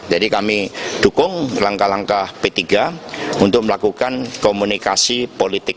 jadi kami dukung rangka rangka p tiga untuk melakukan komunikasi politik